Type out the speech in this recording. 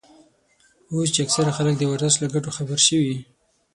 اوس چې اکثره خلک د ورزش له ګټو خبر شوي.